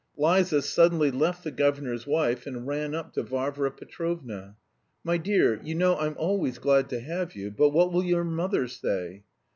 Liza suddenly left the governor's wife and ran up to Varvara Petrovna. "My dear, you know I'm always glad to have you, but what will your mother say?"